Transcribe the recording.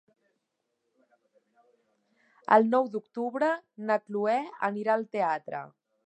El nou d'octubre na Chloé anirà al teatre.